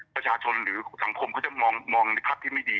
ประชาชนหรือสังคมเขาจะมองในภาพที่ไม่ดี